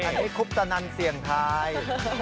อันนี้คุปตะนันเสี่ยงทาย